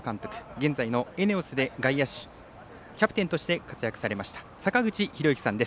現在のＥＮＥＯＳで外野手キャプテンとして活躍されました坂口裕之さんです。